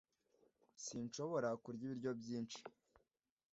Sinshobora kurya ibiryo byinshi.